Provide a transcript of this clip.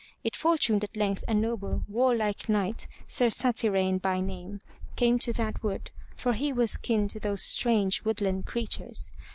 It fortuned at length a noble, warlike knight, Sir Satyrane by name, came to that wood, for he was kin to those strange woodland creatures.